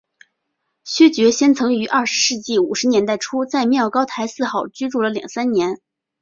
薛觉先曾于二十世纪五十年代初在妙高台四号居住了两三年。